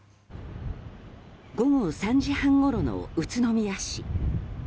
午後３時半ごろの宇都宮市。